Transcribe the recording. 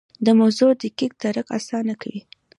د موضوع دقیق درک اسانه کوي.